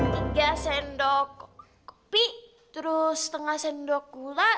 tiga sendok kopi terus setengah sendok gula